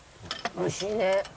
おいしいね。